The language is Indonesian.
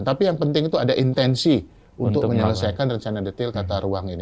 tapi yang penting itu ada intensi untuk menyelesaikan rencana detail tata ruang ini